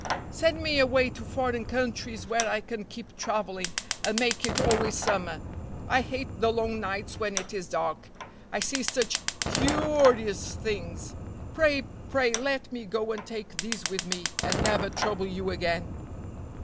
Send me away to foreign countries where I can keep traveling, and make it always summer. I hate the long nights when it is dark. I see such cu u rious things. Pray! pray let me go and take these with me, and never trouble you again."